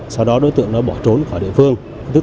sau đó đối tượng bỏ trốn khỏi địa phương